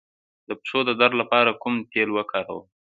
د پښو د درد لپاره کوم تېل وکاروم؟